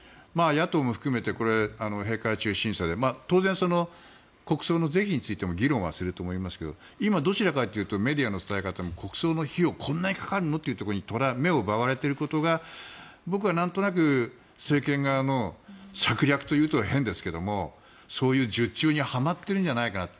野党も含めてこれ、閉会中審査で当然、国葬の是非についての議論はすると思いますが今、どちらかというとメディアの伝え方も国葬の費用がこんなにかかるのというところに目を奪われているところが僕はなんとなく政権側の策略というと変ですがそういう術中にはまっているんじゃないかなって。